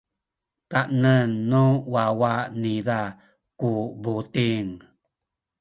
kanen nu wawa niza ku buting.